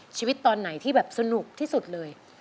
ชีวิตตอนไหนที่แบบสนุกที่สุดเลย